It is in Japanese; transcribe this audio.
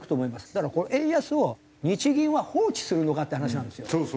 だからこの円安を日銀は放置するのかって話なんですよ。